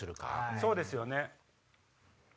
そうですよね。